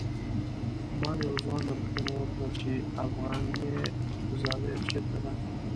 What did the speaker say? ما له یو ځوان نه پوښتنه وکړه چې افغانیه زاویه چېرته ده.